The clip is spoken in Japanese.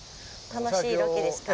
楽しいロケですか？